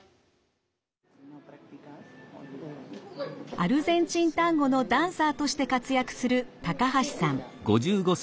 アルゼンチンタンゴのダンサーとして活躍する高橋さん。